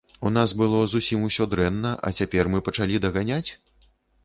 У нас было зусім усё дрэнна, а цяпер мы пачалі даганяць?